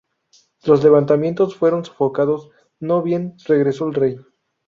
Los levantamientos fueron sofocados no bien regresó el rey.